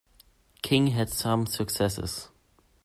King had some successes.